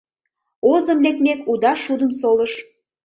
Озым лекмек, уда шудым солыш.